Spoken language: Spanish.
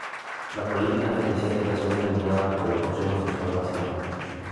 Las políticas eclesiásticas son determinadas por el Consejo Asesor de Ancianos.